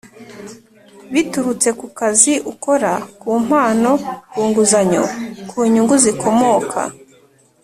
biturutse ku kazi ukora, ku mpano, ku nguzanyo, ku nyungu zikomoka